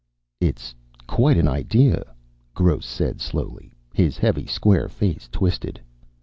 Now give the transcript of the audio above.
"It's quite an idea," Gross said slowly. His heavy square face twisted.